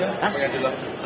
apa yang dilakukan